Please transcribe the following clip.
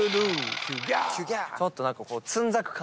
ちょっと何かこう。